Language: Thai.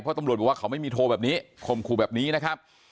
เพราะตำรวจบอกว่าเขาไม่มีโทรแบบนี้ข่มขู่แบบนี้นะครับ